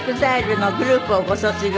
ＥＸＩＬＥのグループをご卒業。